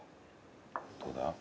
どうだ？